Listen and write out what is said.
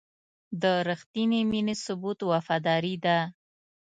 د رښتینې مینې ثبوت وفاداري ده.